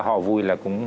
họ vui là cũng